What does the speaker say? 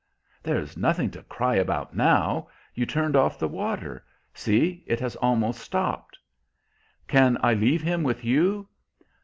"There's nothing to cry about now. You turned off the water; see, it has almost stopped." "Can I leave him with you?"